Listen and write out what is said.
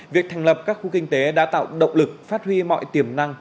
việc thành lập các khu kinh tế đã tạo động lực phát huy mọi tiềm năng